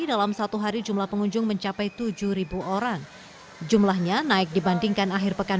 dalam satu hari jumlah pengunjung mencapai tujuh orang jumlahnya naik dibandingkan akhir pekan